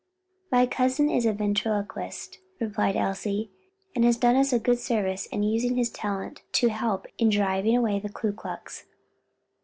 "My cousin is a ventriloquist," replied Elsie, "and has done us good service in using his talent to help in driving away the Ku Klux."